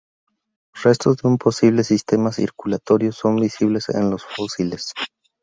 Restos de un posible sistema circulatorio son visibles en los fósiles.